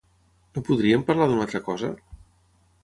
No podríem parlar d'una altra cosa?